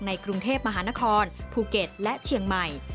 กรุงเทพมหานครภูเก็ตและเชียงใหม่